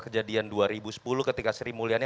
kejadian dua ribu sepuluh ketika sri mulyani